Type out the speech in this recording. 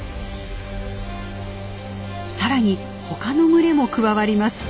さらに他の群れも加わります。